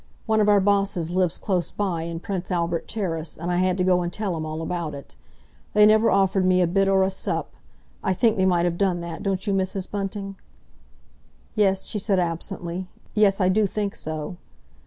One of our bosses lives close by, in Prince Albert Terrace, and I had to go and tell him all about it. They never offered me a bit or a sup—I think they might have done that, don't you, Mrs. Bunting?" "Yes," she said absently. "Yes, I do think so."